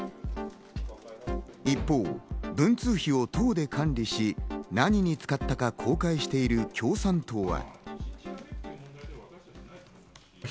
一方、文通費を党で管理し、何に使ったか公開している共産党は。